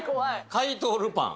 怪盗ルパン。